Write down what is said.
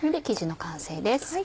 生地の完成です。